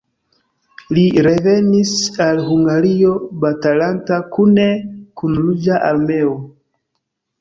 Li revenis al Hungario batalanta kune kun Ruĝa Armeo.